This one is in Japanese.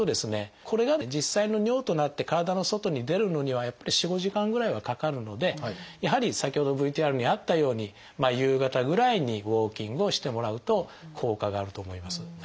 これが実際の尿となって体の外に出るのには４５時間ぐらいはかかるのでやはり先ほどＶＴＲにあったように夕方ぐらいにウォーキングをしてもらうと効果があると思います。